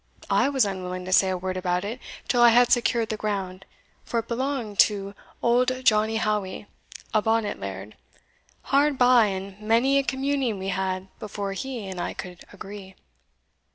I was unwilling to say a word about it till I had secured the ground, for it belonged to auld Johnnie Howie, a bonnet laird* hard by, and many a communing we had before he and I could agree.